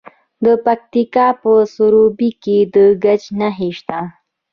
د پکتیکا په سروبي کې د ګچ نښې شته.